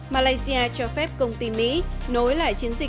malaysia cho phép công ty mỹ nối lại chiến dịch